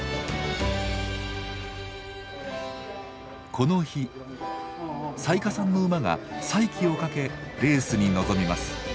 この日雑賀さんの馬が再起をかけレースに臨みます。